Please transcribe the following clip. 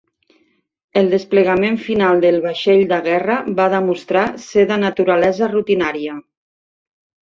El desplegament final del vaixell de guerra va demostrar ser de naturalesa rutinària.